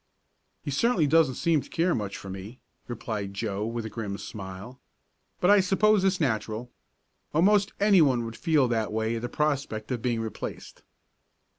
"He certainly doesn't seem to care much for me," replied Joe, with a grim smile. "But I suppose it's natural. Almost anyone would feel that way at the prospect of being replaced."